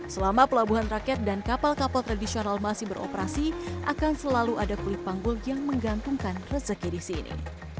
selama pelabuhan rakyat dan kapal kapal tradisional masih beroperasi akan selalu ada kulit panggul yang menggantungkan rezeki di sini